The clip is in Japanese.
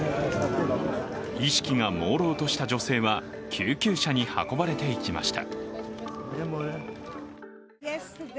意識がもうろうとした女性は救急車に運ばれていきました。